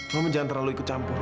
momen jangan terlalu ikut campur